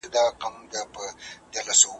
یا ښکاري یا د زمري خولې ته سوغات سم ,